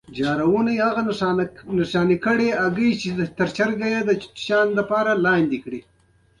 ښتې د افغانستان د سیلګرۍ برخه ده.